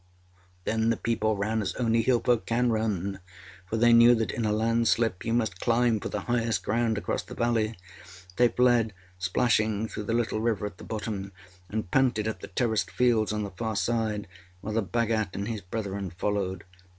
â Then the people ran as only Hill folk can run, for they knew that in a landslip you must climb for the highest ground across the valley. They fled, splashing through the little river at the bottom, and panted up the terraced fields on the far side, while the Bhagat and his brethren followed.